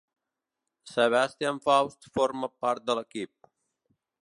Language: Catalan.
Sebastian Faust forma part de l'equip.